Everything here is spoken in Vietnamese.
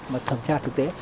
mà thẩm tra thực tế